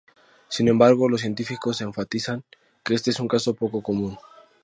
Sin embargo, los científicos enfatizan que este es un caso poco común.